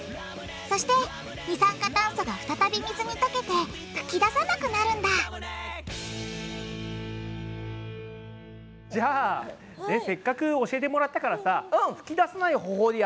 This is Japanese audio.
そして二酸化炭素が再び水に溶けて噴き出さなくなるんだじゃあせっかく教えてもらったからさ噴き出さない方法でやってみましょうよ。